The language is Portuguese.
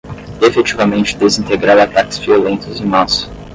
Efetivamente desintegrar ataques violentos em massa